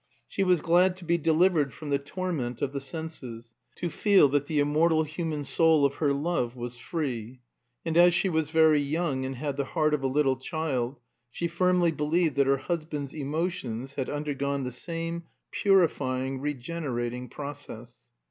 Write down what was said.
She was glad to be delivered from the torment of the senses, to feel that the immortal human soul of her love was free. And as she was very young and had the heart of a little child, she firmly believed that her husband's emotions had undergone the same purifying regenerating process.